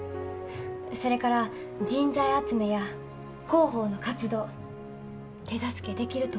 それから人材集めや広報の活動手助けできると思うんです。